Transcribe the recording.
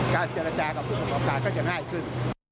เจรจากับผู้ประกอบการก็จะง่ายขึ้น